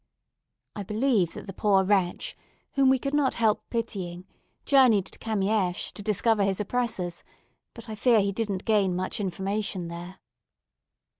I believe that the poor wretch, whom we could not help pitying, journeyed to Kamiesch, to discover his oppressors; but I fear he didn't gain much information there.